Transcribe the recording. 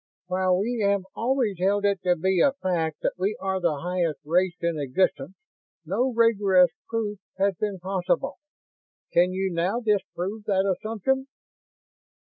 "While we have always held it to be a fact that we are the highest race in existence, no rigorous proof has been possible. Can you now disprove that assumption?"